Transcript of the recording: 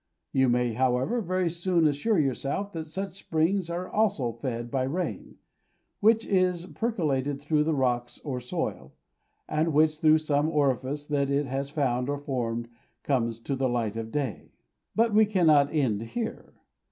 You may, however, very soon assure yourself that such springs are also fed by rain, which has percolated through the rocks or soil, and which, through some orifice that it has found or formed, comes to the light of day. But we cannot end here.